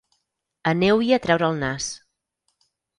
Aneu-hi a treure el nas.